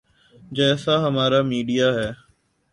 جیسا ہمارا میڈیا ہے۔